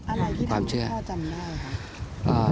อะไรที่ทำให้พ่อจำได้ค่ะ